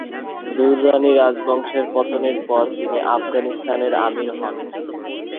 দুররানি রাজবংশের পতনের পর তিনি আফগানিস্তানের আমির হন।